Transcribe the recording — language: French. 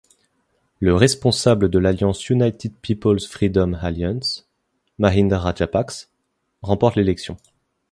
Le responsable de l'alliance United People's Freedom Alliance, Mahinda Rajapakse, remporte l'élection.